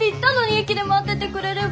駅で待っててくれれば。